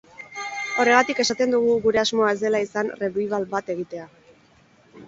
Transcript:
Horregatik esaten dugu gure asmoa ez dela izan revival bat egitea.